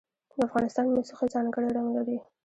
د افغانستان موسیقي ځانګړی رنګ لري.